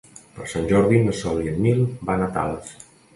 Per Sant Jordi na Sol i en Nil van a Tales.